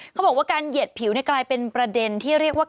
เขาบอกว่าการเหยียดผิวกลายเป็นประเด็นที่เรียกว่า